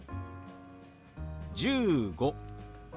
「１５」。